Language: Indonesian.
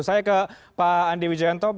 saya ke pak andi wijayanto